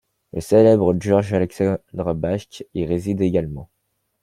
Le célèbre Georges-Alexandre Bajk y réside également.